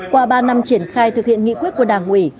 qua ba năm triển khai thực hiện nghị quyết của đảng ủy